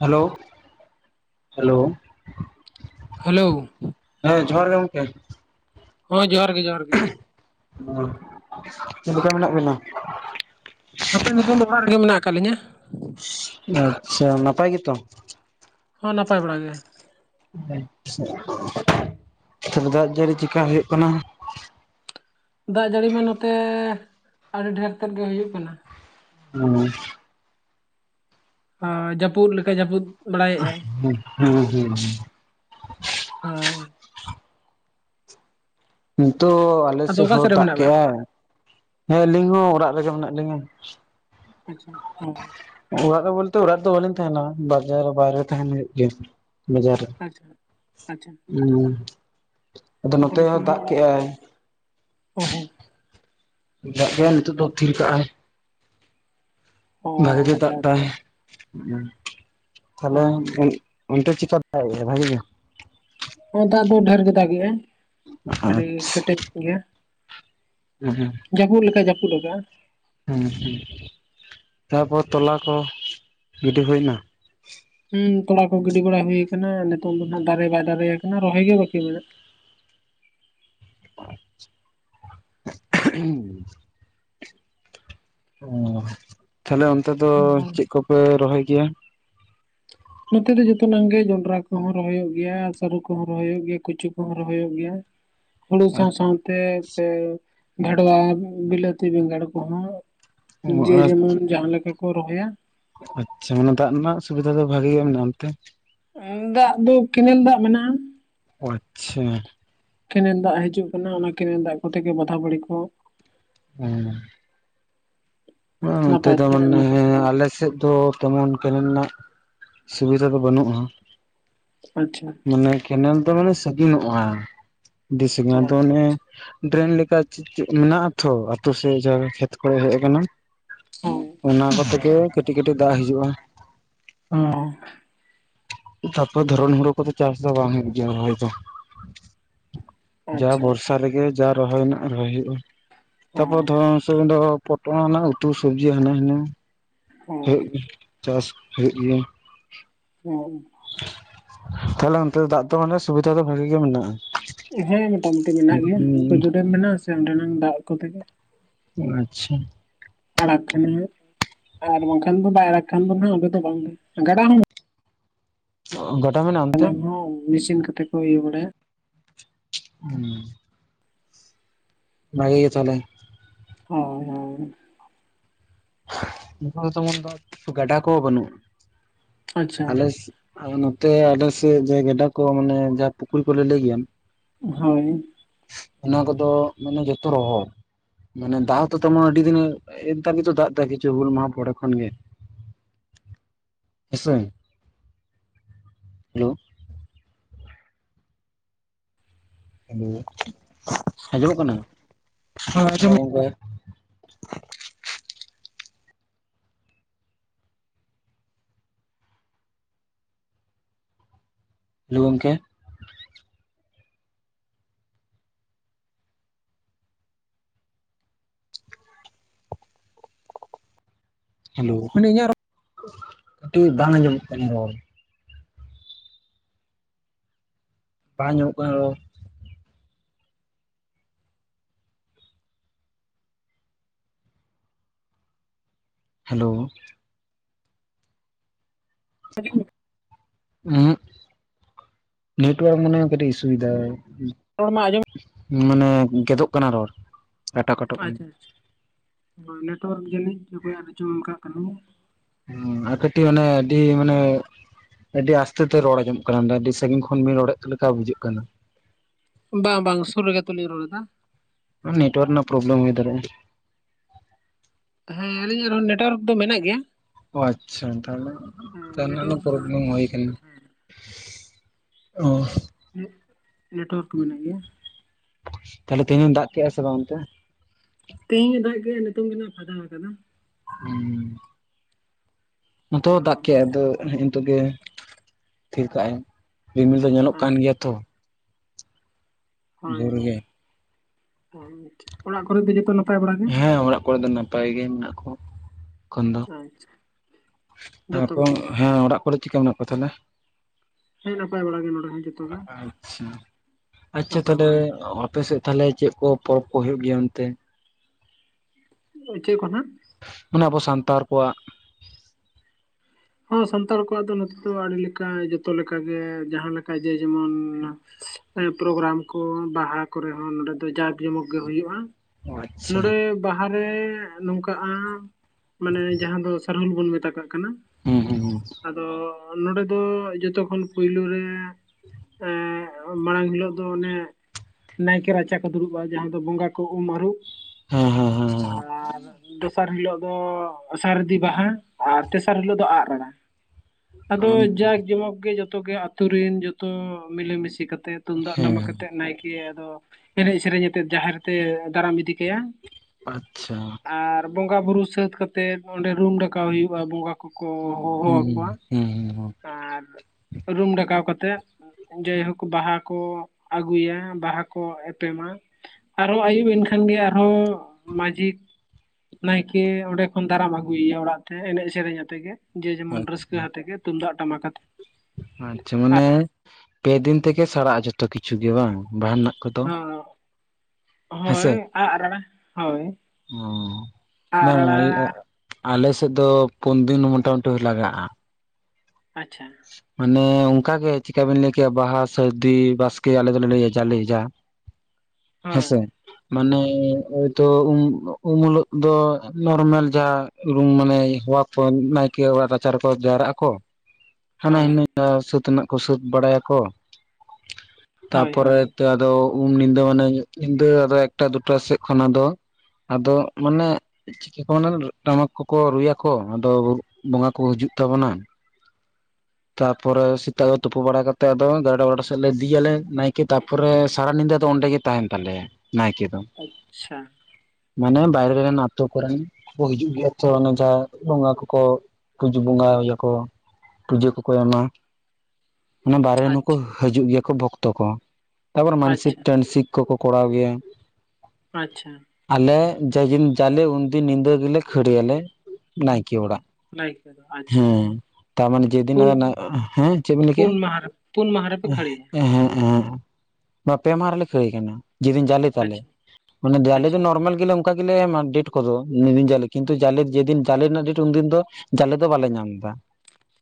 Hello hello hello. ᱦᱮ ᱡᱚᱦᱟᱨ ᱜᱮ ᱜᱚᱢᱠᱮ᱾ ᱦᱳᱭ ᱡᱚᱦᱟᱨ ᱜᱮ ᱡᱚᱦᱟᱨ ᱜᱮ᱾ [unintelligible] ᱪᱮᱜ ᱞᱮᱠᱟ ᱢᱮᱱᱟᱜ ᱵᱤᱱᱟ ᱦᱟᱯᱮ ᱱᱤᱛᱚᱝ ᱚᱲᱟᱜ ᱨᱮᱜᱮ ᱢᱮᱱᱟᱜ ᱟᱠᱟᱜ ᱞᱤᱧᱟ ᱟᱪᱪᱷᱟ ᱱᱟᱯᱟᱭ ᱜᱮ ᱛᱚ ᱦᱚᱸ ᱱᱟᱯᱟᱭ ᱵᱟᱲᱟ ᱜᱮ [unintelligible] [unintelligible] ᱛᱚᱵᱮ ᱫᱟᱜ ᱡᱟᱹᱲᱤ ᱪᱮᱠᱟ ᱦᱩᱭᱩᱜ ᱠᱟᱱᱟ ᱫᱟᱜ ᱡᱟᱹᱲᱤ ᱢᱟ ᱱᱚᱛᱮ ᱟᱹᱰᱤ ᱰᱷᱮᱨ ᱛᱮᱫ ᱜᱮ ᱦᱩᱭᱩᱜ ᱠᱟᱱᱟ ᱚ ᱟᱹ ᱡᱟᱹᱯᱩᱫ ᱞᱮᱠᱟ ᱡᱟᱹᱯᱩᱫ ᱵᱟᱲᱟᱭᱮᱫᱟᱭ [unintelligible] ᱦᱩᱸ ᱦᱩᱸ ᱦᱩᱸ ᱦᱩᱸ ᱦᱟᱸ ᱱᱤᱛᱚᱜ ᱟᱞᱮ ᱟᱫᱚ ᱥᱮᱜ ᱚᱠᱟ ᱦᱚ ᱥᱮᱫ ᱨᱮ ᱫᱟᱜ ᱢᱮᱱᱟᱜ ᱵᱮᱱᱟ ᱠᱮᱜᱟᱭ ᱦᱮᱸ ᱟᱹᱞᱤᱧ ᱦᱚᱸ ᱚᱲᱟᱜ ᱨᱮᱜᱮ ᱢᱮᱱᱟᱜ ᱞᱤᱧᱟ ᱟᱪᱪᱷᱟ ᱦᱮᱸ ᱚᱲᱟᱜ ᱨᱮ ᱵᱚᱞᱛᱮ ᱚᱲᱟᱜ ᱨᱮᱫᱚ ᱵᱟᱹᱞᱤᱧ ᱛᱟᱦᱮᱱᱟ ᱵᱟᱡᱟᱨ ᱵᱟᱭᱨᱮ ᱛᱟᱸᱦᱮᱱ ᱦᱩᱭᱩᱜ ᱜᱮᱭᱟ ᱵᱟᱡᱟᱨ ᱨᱮ ᱟᱪᱪᱷᱟ ᱟᱪᱪᱷᱟ ᱦᱩᱸ ᱟᱫᱚ ᱱᱚᱛᱮ ᱦᱚᱸ ᱱᱤᱛᱚᱝ ᱫᱚ ᱫᱟᱜ ᱚᱲᱟᱜ ᱠᱮᱜᱟᱭ ᱚ ᱦᱚᱸ ᱤᱱᱟᱹᱜ ᱜᱮ ᱱᱤᱛᱳᱜ ᱫᱚ ᱛᱷᱤᱨ ᱠᱟᱜᱼᱟᱭ ᱚ ᱵᱷᱟᱜᱮᱛᱮ ᱟᱪᱪᱷᱟ ᱫᱟᱜ ᱟᱪᱪᱷᱟ ᱛᱟᱭ ᱛᱟᱦᱞᱮ ᱚ ᱚᱱᱛᱮ ᱪᱤᱠᱟ ᱫᱟᱜᱼᱮ ᱵᱷᱟᱜᱤ ᱜᱮ ᱫᱟᱜ ᱫᱚ ᱰᱷᱮᱨ ᱜᱮ ᱫᱟᱜᱮᱜᱟᱭ ᱦᱩᱸ ᱟᱹᱰᱤ ᱠᱮᱴᱮᱡ ᱜᱮᱭᱟ ᱦᱩᱸ ᱦᱩᱸ ᱡᱟᱹᱯᱩᱫ ᱞᱮᱠᱟ ᱡᱟᱹᱯᱩᱫ ᱟᱠᱟᱜᱼᱟ ᱦᱩᱸ ᱦᱩᱸ ᱛᱟᱯᱚᱨ ᱛᱚᱞᱟ ᱠᱚ ᱜᱤᱰᱤ ᱦᱩᱭᱱᱟ ᱦᱮᱸ ᱛᱚᱲᱟ ᱠᱚ ᱜᱤᱰᱤ ᱵᱟᱲᱟ ᱦᱩᱭ ᱟᱠᱟᱱᱟ ᱱᱤᱛᱚᱝ ᱫᱚ ᱱᱟᱦᱟᱜ ᱫᱟᱨᱮ ᱵᱟᱭ ᱫᱟᱨᱮᱭᱟ ᱟᱠᱟᱱᱟ ᱨᱚᱦᱚᱭ ᱜᱮ ᱵᱟᱹᱠᱤ ᱢᱮᱱᱟᱜᱼᱟ [unintelligible] ᱚ ᱛᱷᱟᱦᱞᱮ ᱚᱱᱛᱮ ᱫᱚ ᱪᱮᱜ ᱠᱚᱯᱮ ᱨᱚᱦᱚᱭ ᱜᱮᱭᱟ ᱱᱚᱛᱮ ᱫᱚ ᱡᱚᱛᱚᱱᱟᱜ ᱜᱮ ᱡᱚᱱᱰᱨᱟ ᱠᱚᱦᱚᱸ ᱨᱚᱦᱚᱭᱚᱜ ᱜᱮᱭᱟ ᱟᱨ ᱥᱟᱹᱨᱩ ᱠᱚᱦᱚᱸ ᱨᱚᱦᱚᱭᱚᱜ ᱜᱮᱭᱟ ᱠᱩᱪᱩ ᱠᱚᱦᱚᱸ ᱨᱚᱦᱚᱭᱚᱜ ᱜᱮᱭᱟ [unintelligible] [inaudible] ᱦᱩᱲᱩ ᱥᱟᱶ ᱥᱟᱶᱶᱛᱮ ᱯᱮ ᱵᱷᱮᱰᱣᱟ ᱵᱤᱞᱟᱹᱛᱤ ᱵᱮᱸᱜᱟᱲ ᱠᱚᱦᱚᱸ ᱡᱮ ᱡᱮᱢᱚᱱ ᱡᱟᱦᱟᱸᱮᱠᱟ ᱠᱚ ᱨᱚᱦᱚᱭᱟ ᱟᱪᱪᱷᱟ ᱢᱟᱱᱮ ᱫᱟᱜ ᱮᱱᱟᱜ ᱥᱩᱵᱤᱫᱷᱟ ᱫᱚ ᱵᱷᱟᱜᱮ ᱜᱮ ᱢᱮᱱᱟᱜᱼᱟ ᱚᱱᱛᱮ ᱫᱟᱜ ᱫᱚ ᱠᱮᱱᱮᱞ ᱫᱟᱜ ᱢᱮᱱᱟᱜᱼᱟ ᱟᱪᱪᱷᱟ ᱠᱮᱱᱮᱞ ᱫᱟᱜ ᱦᱤᱡᱩᱜ ᱠᱟᱱᱟ ᱚᱱᱟ ᱠᱮᱱᱮᱞ ᱫᱟᱜ ᱠᱚᱛᱮ ᱜᱮ ᱵᱟᱫᱷᱟ ᱵᱟᱹᱲᱤ ᱠᱚ ᱦᱩᱸ ᱚᱸ ᱚᱱᱛᱮ ᱱᱟᱯᱟᱭ ᱫᱚ ᱛᱮ ᱢᱟᱱᱮ ᱚᱱᱟ ᱠᱚ ᱟᱞᱮ ᱥᱮᱫ ᱫᱚ ᱛᱮᱢᱚᱱ ᱠᱮᱱᱮᱞ ᱱᱟᱜ ᱥᱩᱵᱤᱫᱷᱟ ᱫᱚ ᱵᱟᱹᱱᱩᱜᱼᱟ ᱟᱪᱪᱷᱟ ᱢᱟᱱᱮ ᱠᱮᱱᱮᱞ ᱫᱚ ᱢᱟᱱᱮ ᱥᱟᱺᱟᱹᱜᱤᱱᱚᱜᱼᱟ ᱟᱹᱰᱤ ᱥᱟᱺᱜᱤᱱ ᱦᱳᱭ ᱟᱫᱚ ᱚᱱᱮ ᱰᱨᱮᱱ ᱞᱮᱠᱟ ᱪᱮᱫ ᱢᱮᱱᱟᱜᱼᱟ ᱛᱚ ᱟᱛᱳ ᱥᱮᱫ ᱡᱟᱦᱟᱸ ᱠᱷᱮᱛ ᱠᱚᱨᱮ ᱦᱮᱡ ᱟᱠᱟᱱᱟ᱾ ᱦᱳᱭ ᱚᱱᱟ ᱠᱚᱛᱮ ᱜᱮ ᱠᱟᱹᱴᱤᱡ ᱠᱟᱹᱴᱤᱡ ᱫᱟᱜ ᱦᱤᱡᱩᱜᱼᱟ᱾ ᱦᱚᱸ ᱛᱟᱨᱯᱚᱨ ᱫᱷᱚᱨᱚᱱ ᱦᱩᱲᱩ ᱠᱚᱫᱚ ᱪᱟᱥ ᱫᱚ ᱵᱟᱝ ᱦᱩᱭᱩᱜ ᱜᱮᱭᱟ ᱦᱚᱭ ᱫᱚ᱾ ᱦᱮᱸ᱾ ᱡᱟ ᱵᱚᱨᱥᱟ ᱨᱮᱜᱮ ᱡᱟ ᱨᱚᱦᱚᱭ ᱨᱮᱱᱟᱜ ᱨᱚᱦᱚᱭ ᱦᱩᱭᱩᱜᱼᱟ᱾ ᱛᱟᱯᱚᱨ ᱦᱚᱸ ᱫᱷᱚᱨᱚᱱ ᱥᱚᱢᱚᱭ ᱫᱚ ᱯᱚᱴᱞᱟ ᱨᱮᱱᱟᱜ ᱞᱟᱹᱴᱩ ᱥᱚᱵᱽᱡᱤ ᱦᱟᱱᱟ ᱦᱤᱱᱟᱹ ᱦᱳᱭ ᱦᱩᱭᱩᱜ ᱜᱮ ᱪᱟᱥ ᱦᱩᱭᱩᱜ ᱜᱮᱭᱟ᱾ ᱦᱮ᱾ ᱛᱟᱦᱞᱮ ᱚᱱᱛᱮ ᱫᱟᱜ ᱫᱚ ᱢᱟᱱᱮ ᱥᱩᱵᱤᱫᱟ ᱫᱚ ᱵᱷᱟᱜᱤ ᱜᱮ ᱢᱮᱱᱟᱜᱼᱟ? ᱦᱮᱸ ᱢᱚᱴᱟ ᱢᱩᱴᱤ ᱢᱮᱱᱟᱜ ᱜᱮᱭᱟ᱾ ᱯᱨᱚᱡᱩ ᱰᱮᱢ ᱢᱮᱱᱟᱜᱼᱟ ᱥᱮ ᱚᱸᱰᱮᱱᱟᱜ ᱫᱟᱜ ᱠᱚᱛᱮᱜᱮ᱾ ᱚ ᱟᱪᱪᱷᱟ᱾ ᱟᱲᱟᱜ ᱠᱟᱱᱟ᱾ ᱟᱨ ᱵᱟᱝᱠᱷᱟᱱ ᱫᱚ ᱵᱟᱭ ᱟᱲᱟᱜ ᱠᱷᱟᱱ ᱫᱚ ᱦᱟᱸᱜ ᱚᱸᱰᱮ ᱫᱚ ᱵᱟᱝ ᱜᱟᱰᱟ ᱦᱚᱸ ᱜᱟᱰᱟ ᱢᱮᱱᱟᱜᱼᱟ ᱚᱱᱛᱮ? ᱥᱟᱱᱟᱢ ᱦᱚᱸ ᱢᱮᱥᱤᱱ ᱠᱚᱛᱮ ᱠᱚ ᱤᱭᱟᱹ ᱵᱟᱲᱟᱭᱟ᱾ ᱦᱮᱸ᱾ ᱵᱷᱟᱜᱮ ᱜᱮ ᱛᱟᱦᱚᱞᱮ? ᱚ ᱚ᱾ ᱚᱱᱠᱟᱜᱮ ᱛᱮᱢᱚᱱ ᱫᱚ ᱜᱟᱰᱟ ᱠᱚ ᱦᱚᱸ ᱵᱟᱹᱱᱩᱜᱼᱟ᱾ ᱟᱪᱪᱷᱟ ᱟᱞᱮ ᱟᱨ ᱱᱚᱛᱮ ᱟᱞᱮ ᱥᱮᱫ ᱡᱟᱦᱟ ᱜᱟᱰᱟ ᱠᱚ ᱢᱟᱱᱮ ᱡᱟᱦᱟ ᱯᱩᱠᱷᱨᱤ ᱠᱚᱞᱮ ᱞᱟᱹᱭ ᱜᱮᱭᱟ ᱦᱳᱭ᱾ ᱚᱱᱟ ᱠᱚᱫᱚ ᱢᱟᱱᱮ ᱡᱚᱛᱚ ᱨᱚᱦᱚᱲ᱾ ᱢᱟᱱᱮ ᱫᱟᱜ ᱦᱚᱛᱚ ᱛᱮᱢᱚᱱ ᱟᱹᱰᱤ ᱫᱤᱱᱮ ᱱᱮᱜᱼᱮ ᱱᱮᱛᱟᱨ ᱜᱮ ᱛᱚᱭ ᱫᱟᱜ ᱫᱟ ᱠᱤᱪᱷᱩ ᱦᱩᱞ ᱢᱟᱦᱟ ᱯᱚᱨᱮ ᱠᱷᱚᱱ ᱜᱮ᱾ ᱦᱮᱸᱥᱮ? ᱦᱮᱞᱳ᱾ ᱦᱮᱞᱳ ᱟᱸᱡᱚᱢᱚᱜ ᱠᱟᱱᱟ? ᱦᱳᱭ ᱦᱮᱞᱳ ᱟᱸᱡᱚᱢ ᱜᱚᱢᱠᱮ᱾ ᱦᱮᱞᱳ ᱜᱚᱢᱠᱮ᱾ ᱦᱮᱞᱳ ᱢᱟᱱᱮ ᱤᱧᱟᱹᱜ ᱠᱟᱹᱴᱤᱡ ᱵᱟᱝ ᱟᱸᱡᱚᱢᱚᱜ ᱠᱟᱱᱟ ᱨᱚᱲ᱾ ᱵᱟᱝ ᱟᱸᱡᱚᱢᱚᱜ ᱠᱟᱱᱟ ᱨᱚᱲ᱾ ᱦᱮᱞᱳ᱾ [inaudible] ᱮᱸᱦᱮᱸᱜ᱾ ᱱᱮᱴᱚᱣᱟᱨᱠ ᱢᱚᱱᱮᱦᱚᱭ ᱠᱟᱹᱴᱤᱡ ᱤᱥᱩᱭᱮᱫᱟ? ᱨᱚᱲ ᱢᱟ ᱟᱸᱡᱚᱢᱚᱜ ᱢᱟᱱᱮ ᱜᱮᱫᱚᱜ ᱠᱟᱱᱟ ᱨᱚᱲ᱾ ᱠᱟᱴᱟ ᱠᱟᱴᱚᱜ ᱠᱟᱱᱟ ᱟᱪᱪᱷᱟ ᱦᱳᱭ᱾ ᱱᱮᱴᱣᱟᱨᱠ ᱡᱟᱹᱱᱤᱡ ᱚᱠᱚᱭᱟᱜ ᱨᱮᱪᱚ ᱚᱱᱠᱟᱜ ᱠᱟᱱᱟ᱾ ᱟᱨ ᱠᱟᱹᱴᱤᱡ ᱢᱟᱱᱮ ᱟᱹᱰᱤ ᱢᱟᱱᱮ ᱟᱹᱰᱤ ᱟᱥᱛᱮ ᱛᱮ ᱨᱚᱲ ᱟᱸᱡᱚᱢᱚᱜ ᱠᱟᱱᱟ᱾ ᱟᱹᱰᱤ ᱥᱟᱺᱜᱤᱧ ᱠᱷᱚᱱ ᱵᱤᱱ ᱨᱚᱲᱮᱫ ᱞᱮᱠᱟ ᱵᱩᱡᱟᱹᱜ ᱠᱟᱱᱟ᱾ ᱵᱟᱝ ᱵᱟᱝ ᱥᱩᱨ ᱨᱮᱜᱮ ᱛᱚ ᱞᱤᱧ ᱨᱚᱲ ᱮᱫᱟ᱾ ᱱᱮᱴᱚᱣᱟᱨᱠ ᱱᱟᱜ ᱯᱨᱳᱵᱞᱮᱢ ᱦᱳᱭ ᱫᱟᱲᱮᱭᱟᱜᱼᱟ᱾ ᱦᱮᱸ ᱟᱞᱤᱧᱟᱜ ᱦᱚᱸ ᱱᱮᱴᱳᱣᱟᱨᱠ ᱫᱚ ᱢᱮᱱᱟᱜ ᱜᱮᱭᱟ᱾ ᱳ ᱟᱪᱪᱷᱟ᱾ ᱛᱟᱦᱚᱞᱮ ᱦᱮᱸ ᱛᱟᱦᱚᱞᱮ ᱱᱮᱴᱣᱟᱨᱠ ᱫᱚ ᱢᱮᱱᱟᱜ ᱯᱨᱚᱵᱞᱮᱢ ᱦᱳᱭ ᱜᱮᱭᱟ ᱟᱠᱟᱱᱟ᱾ ᱚ᱾ ᱱᱮᱴᱚᱣᱟᱨᱠ ᱫᱚ ᱢᱮᱱᱟᱜ ᱜᱮᱭᱟ᱾ ᱛᱟᱦᱞᱮ ᱛᱮᱦᱮᱧ ᱦᱚᱭ ᱫᱟᱜ ᱠᱮᱜᱼᱟ ᱥᱮ ᱵᱟᱝ ᱚᱱᱛᱮ? ᱛᱮᱦᱮᱧ ᱮ ᱫᱟᱜ ᱠᱮᱜᱼᱟ᱾ ᱱᱤᱛᱚᱜ ᱫᱚ ᱱᱟᱦᱟᱜ ᱮ ᱯᱷᱟᱠᱟ ᱟᱠᱟᱫᱟ᱾ ᱦᱩᱸ᱾ ᱱᱚᱛᱮ ᱚ ᱫᱟᱜ ᱠᱮᱜᱼᱟᱭ ᱟᱫᱚ ᱦᱮᱜᱼᱮ ᱱᱤᱛᱚᱜ ᱜᱮ ᱛᱷᱤᱨ ᱠᱟᱜᱼᱟᱭ᱾ ᱨᱤᱢᱤᱞ ᱫᱚ ᱧᱮᱞᱚᱜ ᱟᱪᱪᱷᱟ ᱠᱟᱱ ᱜᱮᱭᱟ ᱛᱚ᱾ ᱦᱳᱭ᱾ ᱵᱷᱳᱨ ᱜᱮ ᱚᱲᱟᱜ ᱠᱚᱨᱮ ᱫᱚ ᱡᱚᱛᱚ ᱱᱟᱯᱟᱭ ᱵᱟᱲᱟ ᱜᱮ ᱦᱮᱸ ᱚᱲᱟᱜ ᱠᱚᱨᱮ ᱫᱚ ᱱᱟᱯᱟᱭ ᱜᱮ ᱢᱮᱱᱟᱜ ᱠᱚᱣᱟ᱾ ᱮᱠᱷᱚᱱ ᱫᱚ᱾ ᱟᱪᱪᱷᱟ ᱟᱯᱮ ᱡᱚᱛᱚ ᱦᱚᱸ ᱠᱚᱜᱮ ᱵᱟᱝ ᱦᱮ ᱚᱲᱟᱜ ᱠᱚᱨᱮ ᱪᱮᱫ ᱠᱟ ᱢᱮᱱᱟᱜ ᱠᱚᱣᱟ ᱛᱟᱦᱚᱞᱮ? ᱦᱮᱸ ᱱᱟᱯᱟᱭ ᱵᱟᱲᱟ ᱜᱮ ᱱᱚᱰᱮ ᱦᱚᱸ ᱡᱚᱛᱚ ᱜᱮ᱾ ᱟᱪᱪᱷᱟ ᱟᱪᱪᱷᱟ ᱱᱟᱯᱟᱭ ᱛᱟᱦᱞᱮ ᱵᱟᱲᱟ ᱜᱮ ᱟᱯᱮᱥᱮᱫ ᱛᱟᱦᱚᱞᱮ ᱪᱮᱫ ᱠᱚ ᱯᱚᱨᱚᱵᱽ ᱠᱚ ᱦᱩᱭᱩᱜ ᱜᱮᱭᱟ ᱚᱱᱛᱮ? ᱪᱮᱫ ᱠᱚ ᱦᱟᱜ ᱚᱱᱮ ᱟᱵᱚ ᱥᱟᱱᱛᱟᱲ ᱠᱚᱣᱟᱜ᱾ ᱦᱚ ᱥᱟᱱᱛᱟᱲ ᱠᱚᱣᱟᱜ ᱫᱚ ᱱᱚᱛᱮ ᱫᱚ ᱟᱹᱰᱤ ᱞᱮᱠᱟ ᱡᱚᱛᱚ ᱞᱮᱠᱟᱜᱮ ᱡᱟᱦᱟᱸ ᱞᱮᱠᱟ ᱡᱮ ᱡᱮᱢᱚᱱ- ᱯᱨᱳᱜᱨᱟᱢ ᱠᱚ ᱵᱟᱦᱟ ᱠᱚᱨᱮ ᱦᱚᱸ ᱱᱚᱰᱮ ᱫᱚ ᱡᱟᱸᱠ ᱡᱚᱢᱚᱠ ᱜᱮ ᱦᱩᱭᱩᱜᱼᱟ᱾ ᱚ ᱟᱪᱪᱷᱟ ᱱᱚᱸᱰᱮ ᱵᱟᱦᱟ ᱨᱮ ᱱᱚᱝᱠᱟᱜᱼᱟ᱾ ᱢᱟᱱᱮ ᱡᱟᱦᱟᱸ ᱫᱚ ᱥᱟᱨᱦᱩᱞ ᱵᱚᱱ ᱢᱮᱛᱟ ᱠᱟᱜ ᱠᱟᱱᱟ᱾ ᱦᱩᱸ ᱦᱩᱸ ᱦᱩᱸ᱾ ᱟᱫᱚ ᱱᱚᱰᱮ ᱫᱚ ᱡᱚᱛᱚ ᱠᱷᱚᱱ ᱯᱩᱭᱞᱩ ᱨᱮ᱾ ᱢᱟᱲᱟᱝ ᱦᱤᱞᱳᱜ ᱫᱚ ᱚᱱᱮ ᱱᱟᱭᱠᱮ ᱨᱟᱪᱟ ᱠᱚ ᱫᱩᱲᱩᱵᱼᱟ ᱡᱟᱦᱟᱸ ᱫᱚ ᱵᱚᱸᱜᱟ ᱠᱚ ᱩᱢ ᱟᱨᱩᱵ᱾ ᱦᱩᱸ ᱦᱮᱸ ᱦᱮᱸ ᱟᱨ ᱫᱚᱥᱟᱨ ᱦᱤᱞᱳᱜ ᱫᱚ ᱥᱟᱨᱫᱤ ᱵᱟᱦᱟ ᱟᱨ ᱛᱮᱥᱟᱨ ᱦᱤᱞᱳᱜ ᱫᱚ ᱟᱜ ᱨᱟᱲᱟ᱾ ᱟᱫᱚ ᱦᱮᱸ ᱦᱮᱸ ᱡᱟᱠ ᱡᱚᱢᱚᱠ ᱜᱮ ᱡᱚᱛᱚ ᱜᱮ ᱟᱛᱳ ᱨᱮᱱ ᱡᱚᱛᱚ ᱢᱤᱞᱮᱢᱤᱥᱮ ᱠᱟᱛᱮᱫ᱾ ᱛᱩᱢᱫᱟᱜ ᱴᱟᱢᱟᱠ ᱦᱮᱸ ᱟᱛᱮ ᱱᱟᱭᱠᱮ ᱟᱫᱚ ᱮᱱᱮᱡ ᱥᱮᱨᱮᱧ ᱟᱛᱮᱫ ᱡᱟᱦᱮᱨ ᱛᱮ ᱫᱟᱨᱟᱢ ᱤᱫᱤ ᱠᱟᱭᱟ᱾ ᱟᱪᱪᱷᱟ ᱟᱨ ᱵᱚᱸᱜᱟ ᱵᱩᱨᱩ ᱥᱟᱹᱛ ᱠᱟᱛᱮᱫ ᱚᱸᱰᱮ ᱨᱩᱢ ᱰᱟᱠᱟᱣ ᱦᱩᱭᱩᱜᱼᱟ ᱚᱱᱰᱮ ᱵᱚᱸᱜᱟ ᱠᱚ ᱠᱚ- ᱠᱚ ᱦᱚᱦᱚ ᱦᱩᱸ ᱟᱠᱚᱣᱟ ᱦᱩᱸ ᱦᱩᱸ ᱦᱩᱸ ᱟᱨ ᱨᱩᱢ ᱰᱟᱠᱟᱣ ᱠᱟᱛᱮᱫ᱾ ᱡᱟᱹᱭ ᱦᱳᱠ ᱵᱟᱦᱟ ᱠᱚ ᱟᱹᱜᱩᱭᱟ ᱵᱟᱦᱟ ᱠᱚ ᱮᱯᱮᱢᱟ᱾ ᱟᱨᱦᱚᱸ ᱟᱭᱩᱵ ᱮᱱᱠᱷᱟᱱ ᱜᱮ ᱟᱨᱦᱚᱸ ᱢᱟᱺᱡᱷᱤ᱾ ᱱᱟᱭᱠᱮ ᱚᱸᱰᱮ ᱠᱷᱚᱱ ᱫᱟᱨᱟᱢ ᱟᱹᱜᱩ ᱮᱭᱟ ᱚᱲᱟᱜ ᱛᱮ, ᱮᱱᱮᱡ ᱥᱮᱨᱮᱧ ᱟᱛᱮ ᱜᱮ᱾ ᱡᱮ ᱡᱮᱢᱚᱱ ᱨᱟᱹᱥᱠᱟᱹ ᱟᱪᱪᱷᱟ ᱦᱟᱛᱮ ᱜᱮ ᱛᱩᱢᱫᱟᱜ ᱴᱟᱢᱟᱠ ᱟᱛᱮ᱾ ᱟᱪᱪᱷᱟ ᱢᱟᱱᱮ ᱯᱮ ᱫᱤᱱ ᱛᱮᱜᱮ ᱥᱟᱨᱟᱜᱼᱟ ᱡᱦᱚᱛᱚ ᱠᱤᱪᱷᱩ ᱜᱮ ᱵᱟᱝ ᱵᱟᱦᱟ ᱨᱮᱱᱟᱜ ᱠᱚᱫᱚ? ᱚ ᱦᱮᱸᱥᱮ ᱦᱳᱭ ᱟᱜ ᱨᱟᱲᱟ ᱦᱳᱭ᱾ ᱚ ᱟᱜ ᱵᱟᱝ ᱨᱟᱲᱟ ᱟᱞᱮ ᱟᱞᱮᱥᱮᱫ ᱫᱚ ᱯᱳᱱ ᱫᱤᱱ ᱢᱚᱴᱟᱢᱩᱴᱤ ᱞᱟᱜᱟᱜᱼᱟ᱾ ᱟᱪᱪᱷᱟ᱾ ᱢᱟᱱᱮ ᱚᱱᱠᱟᱜᱮ ᱪᱤᱠᱟᱵᱤᱱ ᱞᱟᱹᱭ ᱠᱮᱭᱟ ᱵᱟᱦᱟ ᱥᱟᱹᱨᱫᱤ ᱵᱟᱥᱠᱮ ᱟᱞᱮ ᱫᱚᱞᱮ ᱞᱟᱹᱭᱟ ᱡᱟᱞᱮ ᱡᱟ᱾ [inaudible] ᱦᱮᱸ ᱥᱮ᱾ ᱢᱟᱱᱮ ᱳᱭᱛᱚ ᱩᱢ-ᱩᱢ ᱦᱤᱞᱚᱜ ᱫᱚ ᱱᱚᱨᱢᱟᱞ ᱡᱟ᱾ ᱨᱩᱢ ᱢᱟᱱᱮ ᱦᱣᱟ ᱯᱚᱨ ᱱᱟᱭᱠᱮ ᱚᱲᱟᱜ ᱨᱟᱪᱟ ᱨᱮ ᱠᱚ ᱡᱟᱣᱨᱟᱜ ᱟᱠᱚ᱾ ᱦᱟᱱᱟ ᱦᱳᱭ ᱦᱱᱟᱹ [unintelligible] ᱥᱟᱹᱛ ᱨᱮᱱᱟᱜ ᱠᱚ ᱥᱟᱹᱛ ᱵᱟᱲᱟᱭᱟᱠᱚ ᱦᱳᱭ ᱛᱟᱯᱚᱨᱮ ᱦᱳᱭ ᱛᱮ- ᱟᱫᱚ ᱩᱢ ᱧᱤᱫᱟᱹ ᱢᱟᱱᱮ ᱧᱤᱫᱟᱹ ᱟᱫᱚ ᱮᱠᱴᱟ ᱫᱩᱴᱟ ᱥᱮᱫ ᱠᱷᱚᱱ ᱟᱫᱚ᱾ ᱟᱫᱚ ᱢᱟᱱᱮ- ᱪᱤᱠᱟᱹ ᱠᱚ ᱢᱮᱱᱟ ᱴᱟᱢᱟᱠ ᱠᱚᱠᱚ ᱨᱩᱭᱟ ᱠᱚ ᱟᱫᱚ ᱵᱚᱸᱜᱟ ᱠᱚ ᱦᱤᱡᱩᱜ ᱛᱟᱵᱚᱱᱟ᱾ ᱛᱟ ᱯᱚᱨᱮ ᱥᱮᱛᱟᱜ ᱫᱚ ᱛᱩᱯᱩ ᱵᱟᱲᱟ ᱠᱟᱛᱮᱫ ᱟᱫᱚ ᱜᱟᱰᱟ ᱰᱷᱚᱰᱟ ᱥᱮᱫ ᱞᱮ ᱤᱫᱤ ᱮᱭᱟᱞᱮ ᱱᱟᱭᱠᱮ ᱛᱟᱯᱚᱨᱮ ᱥᱟᱨᱟ ᱧᱤᱫᱟᱹ ᱟᱫᱚ ᱚᱸᱰᱮ ᱜᱮ᱾ ᱛᱟᱦᱮᱱ ᱛᱟᱞᱮᱭᱟ ᱱᱟᱭᱠᱮ ᱫᱚ᱾ ᱟᱪᱪᱷᱟ᱾ ᱢᱟᱱᱮ ᱵᱟᱭᱨᱮ ᱨᱮᱱ ᱟᱛᱳ ᱠᱚᱨᱮᱱ ᱠᱚ ᱦᱤᱡᱩᱜ ᱜᱮᱭᱟ ᱛᱚ ᱚᱱᱮ ᱡᱟᱦᱟᱸ ᱵᱚᱸᱜᱟ ᱠᱚᱠᱚ᱾ ᱯᱩᱡᱟᱹ ᱵᱚᱸᱜᱟᱭᱟᱠᱚ ᱯᱩᱡᱟᱹ ᱠᱚᱠᱚ ᱮᱢᱟ᱾ ᱚᱱᱟ ᱵᱟᱦᱨᱮ ᱨᱮᱱ ᱦᱚᱠᱚ ᱟᱪᱪᱷᱟ ᱦᱟᱹᱡᱩᱜ ᱜᱮᱭᱟ ᱠᱚ ᱵᱷᱚᱠᱛᱚ ᱠᱚ᱾ ᱛᱟᱯᱚᱨᱮ ᱢᱟᱹᱱᱥᱤᱠ ᱟᱪᱪᱷᱟ ᱴᱟᱹᱱᱥᱤᱠ ᱠᱚᱠᱚ ᱠᱚᱨᱟᱣ ᱜᱮᱭᱟ᱾ ᱟᱪᱪᱷᱟ᱾ ᱟᱞᱮ ᱡᱟᱹᱡᱤᱱ ᱡᱟᱞᱮ ᱩᱱᱫᱤᱱ ᱧᱤᱫᱟᱹ ᱜᱮᱞᱮ ᱠᱷᱟᱹᱨᱮᱭᱟᱞᱮ ᱱᱟᱭᱠᱮ ᱚᱲᱟᱜ᱾ ᱱᱟᱭᱠᱮ ᱫᱚ ᱟᱪᱪᱷᱟ᱾ ᱦᱮᱸ ᱛᱟᱨᱢᱟᱱᱮ ᱡᱮᱫᱤᱱ ᱯᱩᱱ ᱟᱫᱚ, ᱦᱮᱸ ᱪᱮᱫ ᱵᱤᱱ ᱞᱟᱹᱭ ᱯᱩᱱ ᱠᱮᱫᱼᱟ᱾ ᱢᱟᱦᱟ ᱨᱮ ᱯᱩᱱ ᱢᱟᱦᱟ ᱨᱮᱯᱮ ᱠᱷᱟᱹᱲᱮᱭᱟ ᱦᱮᱸ ᱦᱮᱸ, ᱵᱟ ᱯᱮ ᱢᱟᱦᱟ ᱨᱮᱞᱮ ᱠᱷᱟᱹᱲᱮ ᱠᱟᱱᱟ ᱡᱮᱫᱤᱱ ᱡᱟᱞᱮ᱾ ᱡᱟᱞᱮ, ᱟᱪᱪᱷᱟ ᱢᱟᱱᱮ ᱡᱟᱞᱮ ᱫᱚ ᱟᱪᱪᱷᱟ ᱱᱚᱨᱢᱮᱞ ᱜᱮᱞᱮ ᱚᱱᱠᱟ ᱜᱮᱞᱮ ᱮᱢᱟ ᱰᱮᱴ- ᱠᱚᱫᱚ ᱱᱩᱭᱫᱤᱱ ᱡᱟᱞᱮ ᱠᱤᱱᱛᱩ ᱡᱟᱞᱮ ᱡᱮᱫᱤᱱ ᱡᱟᱞᱮ ᱨᱮᱱᱟᱜ ᱰᱮᱴ ᱩᱱᱫᱤᱱ ᱫᱚ ᱡᱟᱞᱮ ᱫᱚ ᱵᱟᱞᱮ ᱧᱟᱢ ᱮᱫᱟ᱾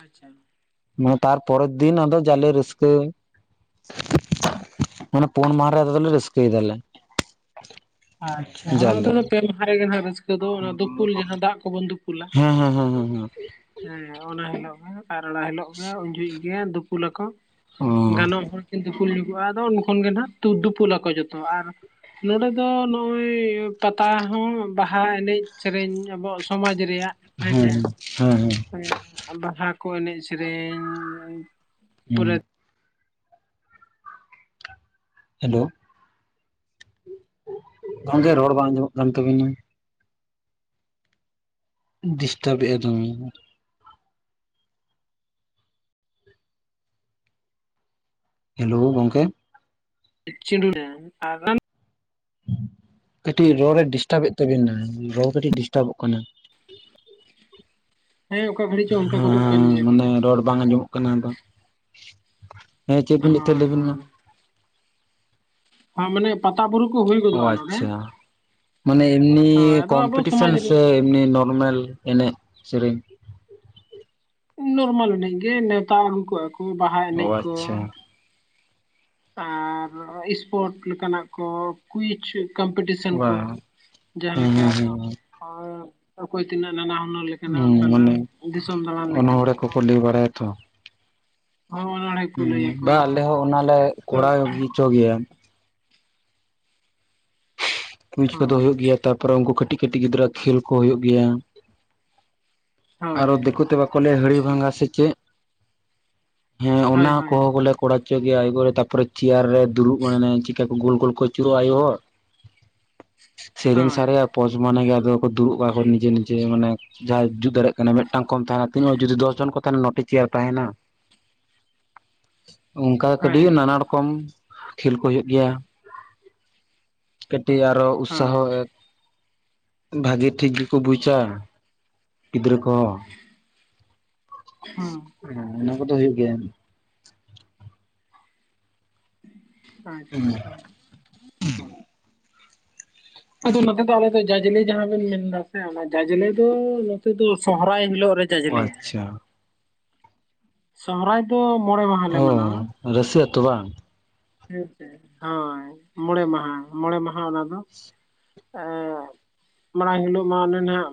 ᱟᱪᱪᱷᱟ᱾ ᱢᱟᱱᱮ ᱛᱟᱨᱯᱚᱨᱮᱨ ᱫᱤᱱ ᱟᱫᱚ ᱡᱟᱞᱮ ᱨᱟᱹᱥᱠᱟᱹ ᱢᱟᱱᱮ ᱯᱳᱱ ᱢᱟᱦᱟ ᱨᱮ [inaudible] ᱨᱟᱹᱥᱠᱟᱹᱭ ᱮᱫᱟᱞᱮ ᱟᱪᱪᱷᱟ ᱚᱱᱟ ᱫᱚ ᱡᱟᱞᱮ ᱯᱮ ᱢᱟᱦᱟ ᱨᱮᱜᱮ ᱱᱟᱜ ᱨᱟᱹᱥᱠᱟᱹ ᱫᱚ ᱚᱱᱟ ᱫᱩᱯᱩᱞ ᱡᱟᱦᱟᱸ ᱫᱟᱜ ᱠᱚᱵᱚᱱ ᱫᱩᱯᱩᱞᱟ ᱦᱮᱸ ᱦᱮᱸ ᱦᱮᱸ ᱦᱮᱸ ᱦᱮᱸ ᱦᱮᱸ ᱚᱱᱟ ᱦᱤᱞᱳᱜ ᱜᱮ ᱟᱨ ᱚᱱᱟ ᱦᱤᱞᱳᱜ ᱜᱮ ᱩᱱ ᱡᱚᱦᱚᱜ ᱜᱮ ᱫᱩᱯᱩᱞᱟᱠᱚ ᱚ ᱜᱟᱱᱚᱜ ᱦᱚᱲ ᱠᱤᱱ ᱫᱩᱯᱩᱞ ᱧᱚᱜᱟᱜᱼᱟ ᱟᱫᱚ ᱩᱱ ᱠᱷᱚᱱ ᱜᱮ ᱱᱟᱜ ᱫᱩᱯᱩᱞᱟᱠᱚ ᱡᱚᱛᱚ ᱟᱨ ᱱᱚᱸᱰᱮ ᱫᱚ ᱱᱚᱜᱼᱚᱭ ᱯᱟᱛᱟ ᱦᱚᱸ ᱵᱟᱦᱟ ᱮᱱᱮᱡ ᱥᱮᱨᱮᱧ ᱟᱵᱚᱣᱟᱜ ᱥᱚᱢᱟᱡ ᱨᱮᱭᱟᱜ ᱦᱮᱸ ᱪᱮ ᱦᱮᱸ ᱦᱮᱸ ᱵᱟᱦᱟ ᱠᱚ ᱮᱱᱮᱡ ᱥᱮᱨᱮᱧ ᱯᱚᱨᱮ ᱦᱮᱸ᱾ ᱦᱮᱞᱳ ᱜᱚᱝᱠᱮ ᱨᱚᱲ ᱵᱟᱝ ᱟᱸᱟᱧᱢᱚᱜ ᱠᱟᱱ ᱛᱟᱵᱤᱱᱟ ᱰᱤᱥᱴᱟᱵ ᱮᱫ ᱟᱭ ᱫᱚᱢᱮ ᱦᱮᱞᱳ ᱜᱚᱝᱠᱮ [unintelligible] ᱠᱟᱹᱴᱤᱡ ᱨᱚᱲ ᱨᱮ ᱰᱤᱥᱴᱟᱵᱮᱫ ᱛᱟᱵᱤᱱ ᱫᱚ ᱨᱚᱲ ᱠᱟᱹᱴᱤᱡ ᱰᱤᱥᱴᱟᱵᱚᱜ ᱠᱟᱱᱟ ᱦᱮᱸ ᱚᱠᱟ ᱜᱷᱟᱹᱲᱤᱡ ᱪᱚ ᱚᱱᱠᱟ ᱜᱚᱫᱚᱜ ᱠᱟᱱ ᱦᱮᱸ ᱜᱮᱭᱟ ᱢᱟᱱᱮ ᱵᱚᱞᱮ ᱨᱚᱲ ᱵᱟᱝ ᱟᱸᱡᱚᱢᱚᱜ ᱠᱟᱱᱟ ᱟᱫᱚ ᱦᱮᱸ ᱪᱮᱫ ᱵᱤᱱ ᱞᱟᱹᱭᱮᱫ ᱛᱟᱦᱮᱸᱫ ᱦᱳᱭ ᱞᱟᱹᱭᱵᱤᱱ ᱢᱟ ᱦᱳᱭ ᱢᱟᱱᱮ ᱯᱟᱛᱟ ᱵᱩᱨᱩ ᱠᱚ ᱦᱩᱭ ᱚ ᱜᱚᱫᱚᱜᱼᱟ ᱱᱚᱰᱮ ᱟᱪᱪᱷᱟ ᱢᱟᱱᱮ ᱮᱢᱱᱤ ᱦᱳᱭ ᱟᱫᱚ ᱟᱵᱚ ᱠᱚᱢᱯᱤᱴᱤᱥᱚᱱ ᱥᱚᱢᱟᱡᱽ ᱨᱮ ᱥᱮ ᱮᱢᱱᱤ ᱱᱚᱨᱢᱮᱞ ᱮᱱᱮᱡ ᱥᱮᱨᱮᱧ ᱱᱚᱨᱢᱟᱞ ᱮᱱᱮᱡ ᱜᱮ ᱱᱮᱣᱛᱟ ᱟᱹᱜᱩ ᱠᱚᱜᱼᱟ ᱠᱚ ᱵᱟᱦᱟ ᱚ ᱮᱱᱮᱡ ᱠᱚ ᱟᱪᱪᱷᱟ ᱟᱨ ᱤᱥᱯᱳᱴ ᱞᱮᱠᱟᱱᱟᱜ ᱠᱚ ᱠᱩᱭᱤᱪ ᱠᱚᱢᱯᱤᱴᱤᱥᱚᱱ ᱠᱚ ᱵᱟᱝ ᱡᱟᱦᱟᱸ ᱦᱩᱸ ᱞᱮᱠᱟ ᱦᱩᱸ ᱦᱩᱸ ᱚᱠᱚᱭ ᱛᱤᱱᱟᱹᱜ ᱱᱟᱱᱟ ᱦᱩᱱᱟᱹᱨ ᱞᱮᱠᱟ ᱦᱩᱸ ᱢᱟᱱᱮ ᱚᱱᱚᱲᱦᱮ ᱠᱚ ᱠᱚ ᱞᱟᱹᱭ ᱵᱟᱲᱟᱭᱟᱛᱚ [unintelligible] ᱦᱩᱸ ᱵᱟ ᱟᱞᱮ ᱦᱚᱸ ᱚᱱᱟᱞᱮ ᱠᱚᱨᱟᱣ ᱟᱨ ᱜᱤ ᱦᱚᱪᱚ ᱜᱮᱭᱟ ᱠᱩᱭᱤᱪ ᱠᱚᱫᱚ ᱦᱩᱭᱩᱜ ᱜᱮᱭᱟ ᱛᱟᱨᱯᱚᱨᱮ ᱩᱱᱠᱩ ᱠᱟᱹᱴᱤᱡ ᱠᱟᱹᱴᱤᱡ ᱜᱤᱫᱽᱨᱟᱹ ᱠᱷᱮᱞ ᱠᱚ ᱦᱩᱭᱩᱜ ᱜᱮᱭᱟ ᱦᱳᱭ ᱟᱨᱚ ᱫᱤᱠᱩ ᱛᱮ ᱵᱟᱠᱚ ᱞᱟᱹᱭᱟ ᱦᱟᱹᱲᱤ ᱵᱷᱟᱜᱟ ᱥᱮ ᱪᱮᱫ ᱦᱮᱸ ᱦᱳᱭ ᱚᱱᱟ ᱦᱳᱭ ᱠᱚᱦᱚᱸ ᱵᱚᱞᱮ ᱠᱚᱲᱟ ᱦᱚᱪᱚᱮᱭᱟ [inaudible] ᱛᱟᱯᱚᱨ ᱪᱮᱭᱟᱨ ᱨᱮ ᱫᱩᱲᱩᱵ ᱢᱟᱱᱮ ᱪᱮᱠᱟ ᱠᱚ ᱜᱳᱞ ᱜᱳᱞ ᱠᱚ ᱟᱹᱪᱩᱨᱚᱜᱼᱟ ᱟᱭᱳ ᱦᱚᱲ [unintelligible] ᱥᱮᱨᱮᱧ ᱦᱳᱭ ᱫᱟᱨᱮᱭᱟ ᱯᱚᱪ ᱢᱟᱱᱮ ᱜᱮ ᱟᱫᱚ ᱫᱩᱲᱩᱵ ᱟᱠᱚ ᱱᱤᱡᱮ ᱱᱤᱡᱮ ᱢᱟᱱᱮ ᱡᱟᱦᱟᱸᱟᱭ ᱡᱩᱛ ᱫᱟᱲᱮᱭᱟᱜ ᱮ ᱢᱤᱫᱴᱟᱝ ᱠᱚᱢ ᱛᱟᱦᱮᱱᱟ ᱛᱤᱱᱟᱹᱜ ᱡᱩᱫᱤ ᱫᱚᱥ ᱡᱚᱱ ᱠᱚ ᱛᱟᱦᱮᱱᱟ ᱱᱚᱴᱤ ᱪᱮᱭᱟᱨ ᱛᱟᱦᱮᱱᱟ ᱚᱱᱠᱟ ᱠᱟᱹᱴᱤᱡ ᱦᱮᱸ ᱱᱟᱱᱟ ᱨᱚᱠᱚᱢ ᱠᱷᱮᱞ ᱠᱚ ᱦᱩᱭᱩᱜ ᱜᱮᱭᱟ ᱠᱟᱹᱴᱤᱡ ᱟᱨᱚ ᱦᱳᱭ ᱩᱛᱥᱟᱦᱚ ᱵᱷᱟᱜᱮ ᱴᱷᱤᱠ ᱜᱮᱠᱚ ᱵᱩᱡᱟ ᱜᱤᱫᱽᱨᱟᱹ ᱠᱚ ᱦᱩᱸ ᱦᱮᱸ ᱚᱱᱟ ᱠᱚᱫᱚ ᱦᱩᱭᱩᱜ ᱜᱮᱭᱟ ᱟᱪᱪᱷᱟ ᱟᱫᱚ ᱱᱚᱛᱮ ᱫᱚ ᱟᱞᱮ ᱫᱚ ᱡᱟᱡᱽᱞᱮ ᱡᱟᱦᱟᱸ ᱵᱮᱱ ᱢᱮᱱᱫᱟ ᱥᱮ ᱚᱱᱟ ᱡᱟᱡᱽᱞᱮ ᱫᱚ ᱱᱚᱛᱮ ᱫᱚ ᱥᱚᱦᱨᱟᱭ ᱦᱤᱞᱳᱜ ᱨᱮ ᱡᱟᱡᱽᱞᱮᱭᱟ ᱟᱪᱪᱷᱟ ᱥᱚᱦᱨᱟᱭ ᱫᱚ ᱢᱚᱲᱮ ᱢᱟᱦᱟᱞᱮ ᱢᱟᱱᱟᱣᱟ ᱚ ᱨᱟᱹᱥᱤ ᱟᱛᱳ ᱵᱟᱝ ᱦᱮᱸᱥᱮ ᱦᱳᱭ ᱢᱚᱬᱮ ᱢᱟᱦᱟ ᱢᱚᱬᱮ ᱢᱟᱦᱟ ᱚᱱᱟ ᱫᱚ ᱮᱸ ᱢᱟᱲᱟᱝ ᱦᱤᱞᱳᱜ ᱢᱟ ᱚᱱᱮ ᱚᱱᱟᱜ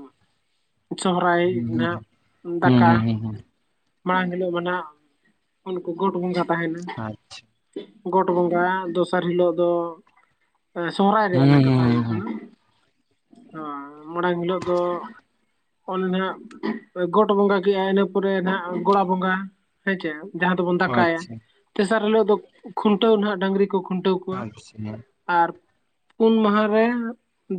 ᱥᱚᱦᱚᱨᱟᱭ ᱦᱩᱸ ᱦᱩᱸ ᱫᱟᱠᱟ ᱦᱩᱸ ᱦᱩᱸ ᱢᱟᱲᱟᱝ ᱦᱤᱞᱳᱜ ᱢᱟ ᱱᱟᱜ ᱩᱱᱠᱩ ᱜᱚᱴ ᱵᱚᱸᱜᱟ ᱛᱟᱦᱮᱱᱟ ᱟᱪᱪᱷᱟ ᱜᱚᱴ ᱵᱚᱸᱜᱟ ᱫᱚᱥᱟᱨ ᱦᱤᱞᱳᱜ ᱫᱚ ᱥᱚᱦᱚᱨᱟᱭ ᱦᱩᱸ ᱨᱮᱭᱟᱜ ᱦᱩᱸ ᱠᱟᱛᱷᱟ ᱦᱩᱸ ᱦᱩᱭᱩᱜ ᱦᱩᱸ ᱠᱟᱱᱟ ᱢᱟᱲᱟᱝ ᱦᱤᱞᱳᱜ ᱫᱚ ᱚᱱᱮ ᱱᱟᱜ ᱜᱚᱴ ᱵᱚᱸᱜᱟ ᱠᱮᱜᱼᱟ ᱤᱱᱟᱹ ᱯᱚᱨᱮ ᱱᱟᱦᱟᱜ ᱜᱚᱲᱟ ᱵᱚᱸᱜᱟ ᱦᱮᱸ ᱪᱮ ᱡᱟᱦᱟᱸ ᱫᱚᱵᱚᱱ ᱫᱟᱠᱟᱭᱟ ᱟᱪᱪᱷᱟ ᱛᱮᱥᱟᱨ ᱦᱤᱞᱳᱜ ᱫᱚ ᱠᱷᱩᱱᱴᱟᱹᱣ ᱱᱟᱦᱟᱜ ᱰᱟᱝᱨᱤ ᱠᱚ ᱠᱷᱩᱱᱴᱟᱹᱣ ᱠᱚᱣᱟ [unintelligible] ᱟᱨ ᱯᱩᱱ ᱢᱟᱦᱟ ᱨᱮ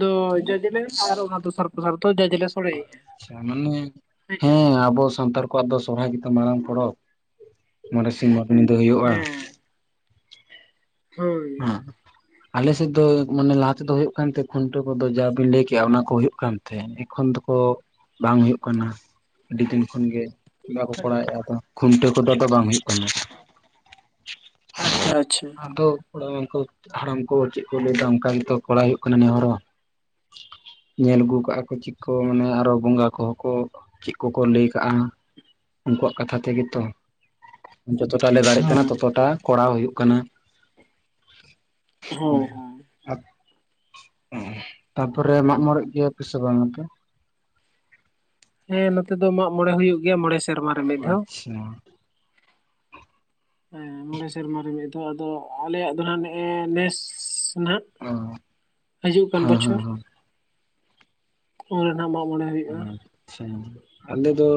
ᱫᱚ ᱡᱟᱡᱞᱮ ᱟᱨ ᱚᱱᱟ ᱫᱚᱥᱟᱨ ᱯᱨᱚᱥᱟᱨ ᱫᱚ ᱡᱟᱡᱞᱮ ᱟᱪᱪᱷᱟ ᱢᱟᱱᱮ ᱦᱮᱸ ᱟᱵᱚ ᱥᱟᱱᱛᱟᱲ ᱟᱠᱚᱣᱟᱜ ᱫᱚ ᱥᱚᱨᱦᱟᱭ ᱜᱮᱛᱚ ᱢᱟᱨᱟᱝ ᱯᱚᱨᱚᱵ ᱢᱚᱬᱮ ᱥᱤᱧ ᱢᱚᱬᱮ ᱧᱤᱫᱟᱹ ᱦᱩᱭᱩᱜᱼᱟ ᱦᱮᱸ ᱦᱳᱭ ᱦᱮᱸ ᱟᱞᱮ ᱥᱮᱫ ᱫᱚ ᱢᱟᱱᱮ ᱞᱟᱦᱟ ᱛᱮᱫᱚ ᱦᱳᱭᱳᱜ ᱠᱟᱱ ᱛᱟᱦᱮ ᱠᱷᱩᱱᱴᱟᱹᱣ ᱠᱚᱫᱚ ᱡᱟ ᱵᱤᱱ ᱞᱟᱹᱭ ᱠᱮᱜᱼᱟ ᱚᱱᱟ ᱠᱚ ᱦᱳᱭᱳᱜ ᱠᱟᱱ ᱛᱮ ᱮᱠᱷᱚᱱ ᱫᱚᱠᱚ ᱵᱟᱝ ᱦᱩᱭᱩᱜ ᱠᱟᱱᱟ ᱟᱹᱰᱤ ᱫᱤᱱ ᱠᱷᱚᱱ ᱜᱮ ᱵᱟᱠᱚ ᱠᱚᱨᱟᱣᱮᱫᱼᱟ ᱟᱫᱚ ᱠᱷᱩᱱᱴᱟᱹᱣ ᱠᱚᱫᱚ ᱟᱫᱚ ᱵᱟᱝ ᱦᱩᱭᱩᱜ ᱠᱟᱱᱟ [inaudible] ᱟᱪᱪᱷᱟ [unintelligible] ᱦᱟᱲᱟᱢ ᱠᱚ ᱪᱮᱫ ᱠᱚ ᱞᱟᱹᱭ ᱫᱟ ᱚᱱᱠᱟ ᱜᱮᱛᱚ ᱠᱚᱲᱟ ᱦᱩᱭᱩᱜ ᱠᱟᱱᱟ ᱱᱮᱦᱚᱲ ᱦᱚᱸ ᱧᱮᱞ ᱟᱹᱜᱩ ᱠᱟᱜᱼᱟ ᱠᱚ ᱪᱮᱫ ᱠᱚ ᱢᱟᱱᱮ ᱟᱨᱚ ᱵᱚᱸᱜᱟ ᱠᱚᱦᱚ ᱠᱚ ᱪᱮᱫ ᱠᱚᱠᱚ ᱞᱟᱹᱭ ᱠᱟᱜᱼᱟ ᱦᱟᱸ, ᱩᱱᱠᱩᱣᱟᱜ ᱠᱟᱛᱷᱟ ᱛᱮᱜᱮ ᱛᱚ᱾ ᱡᱚᱛᱚᱴᱟ ᱞᱮ ᱫᱟᱨᱮᱜ ᱠᱟᱱᱟ ᱦᱳᱭ ᱛᱚᱛᱚᱴᱟ ᱠᱚᱨᱟᱣ ᱦᱩᱭᱩᱜ ᱠᱟᱱᱟ ᱦᱳᱭ [unintelligible] ᱦᱳᱭ ᱛᱟ ᱯᱚᱨᱮ ᱢᱟᱜ ᱢᱚᱬᱮᱜ ᱜᱮᱭᱟ ᱯᱮ ᱥᱮ ᱵᱟᱝ ᱟᱯᱮ ᱦᱮᱸ ᱱᱚᱛᱮ ᱫᱚ ᱢᱟᱜ ᱢᱚᱬᱮ ᱦᱩᱭᱩᱜ ᱜᱮᱭᱟ ᱢᱚᱬᱮ ᱥᱮᱨᱢᱟ ᱨᱮ ᱢᱤᱫ ᱫᱷᱟᱣ [unintelligible] ᱦᱮᱸ ᱢᱚᱬᱮ ᱥᱮᱨᱢᱟ ᱨᱮ ᱢᱤᱫ ᱫᱷᱟᱣ ᱟᱫᱚ ᱟᱞᱮᱭᱟᱜ ᱫᱚ ᱦᱟᱜ ᱱᱮᱜᱼᱮ ᱱᱮᱥ ᱱᱟᱦᱟᱜ ᱚ ᱦᱟᱹᱡᱩᱜ ᱠᱟᱱ ᱦᱮᱸ ᱦᱮᱸ ᱵᱚᱪᱷᱚᱨ ᱦᱮᱸ ᱩᱱ ᱨᱮᱱᱟᱜ ᱢᱟᱜ ᱢᱚᱬᱮ ᱦᱩᱭᱩᱜᱼᱟ ᱟᱪᱪᱷᱟ ᱟᱞᱮ ᱫᱚ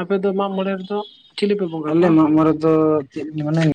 ᱟᱯᱮ ᱫᱚ ᱢᱟᱜ ᱢᱚᱬᱮ ᱨᱮᱫᱚ ᱪᱤᱞᱤ ᱯᱮ ᱵᱚᱸᱜᱟ ᱠᱚᱣᱟ [unintelligible] ᱫᱚ [inaudible] ᱢᱟᱱᱮ